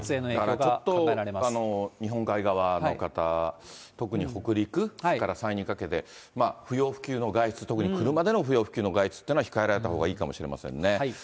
ちょっと日本海側の方、特に北陸、それから山陰にかけて、不要不急の外出、特に車での不要不急の外出っていうのは控えられたほうがいいかもしれませんね。